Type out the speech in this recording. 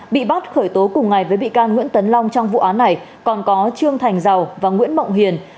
bị bắt khởi tố cùng ngày với bị can nguyễn tấn long trong vụ án này còn có trương thành giàu và nguyễn mộng hiền